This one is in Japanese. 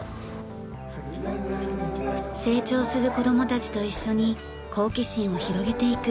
成長する子どもたちと一緒に好奇心を広げていく。